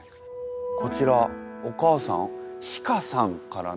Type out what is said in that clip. こちらお母さんシカさんからの手紙。